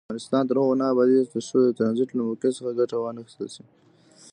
افغانستان تر هغو نه ابادیږي، ترڅو د ټرانزیټ له موقع څخه ګټه وانخیستل شي.